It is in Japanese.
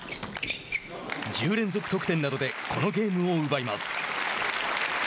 １０連続得点などでこのゲームを奪います。